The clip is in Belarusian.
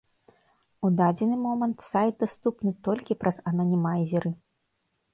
У дадзены момант сайт даступны толькі праз ананімайзеры.